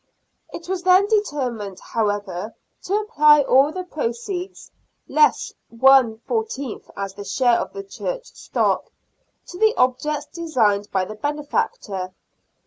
It was then determined, however, to apply all the proceeds (less one fourteenth as the share of the Church stock) to the objects designed by the benefactor.